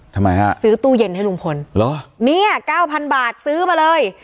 ทำไมฮะซื้อตู้เย็นให้ลุงพลเนี่ย๙๐๐๐บาทซื้อมาเลย